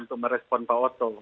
untuk merespon pak otto